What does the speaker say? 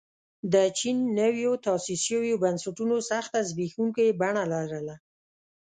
د چین نویو تاسیس شویو بنسټونو سخته زبېښونکې بڼه لرله.